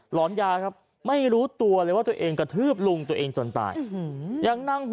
หลอนยาครับไม่รู้ตัวเลยว่าตัวเองกระทืบลุงตัวเองจนตาย